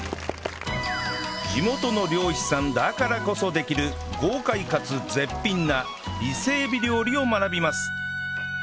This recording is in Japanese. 地元の漁師さんだからこそできる豪快かつ絶品な伊勢エビ料理を学びます